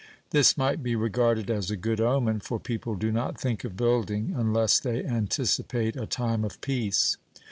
This might be regarded as a good omen, for people do not think of building unless they anticipate a time of peace.